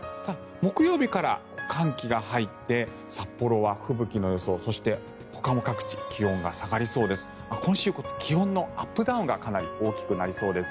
木曜日から寒気が入って札幌は吹雪の予想そして、ほかも各地気温が下がりそうです。